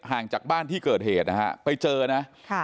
ห่างจากบ้านที่เกิดเหตุนะฮะไปเจอนะ